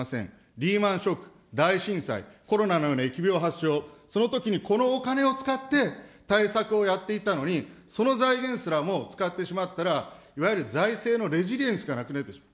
リーマンショック、大震災、コロナのような疫病発症、そのときにこのお金を使って対策をやっていたのに、その財源すらも使ってしまったら、いわゆる財政のレジリエンスがなくなってしまう。